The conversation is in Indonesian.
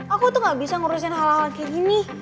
aku tuh gak bisa ngurusin hal hal kayak gini